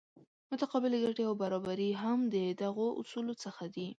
متقابلې ګټې او برابري هم د دغو اصولو څخه دي.